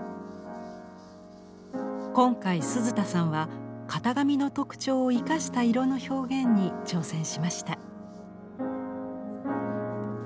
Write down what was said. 今回鈴田さんは型紙の特徴を生かした色の表現に挑戦しました。